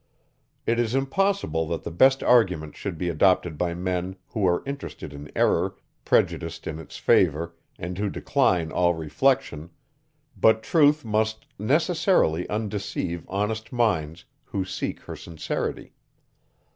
It is impossible that the best arguments should be adopted by men, who are interested in error, prejudiced in its favour, and who decline all reflection; but truth must necessarily undeceive honest minds, who seek her sincerely.